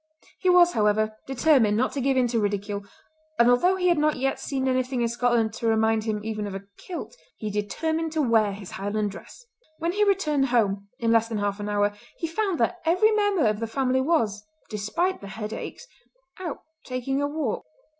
He was, however, determined not to give in to ridicule, and although he had not yet seen anything in Scotland to remind him even of a kilt, he determined to wear his Highland dress. When he returned home, in less than half an hour, he found that every member of the family was, despite the headaches, out taking a walk.